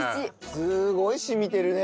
すごい染みてるね。